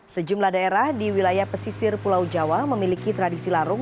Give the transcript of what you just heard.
sejumlah daerah di wilayah pesisir pulau jawa memiliki tradisi larung